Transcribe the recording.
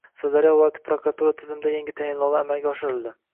Sirdaryo viloyati prokuratura tizimida yangi tayinlovlar amalga oshirildi